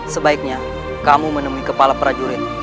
sebaiknya kamu menemui kepala prajurit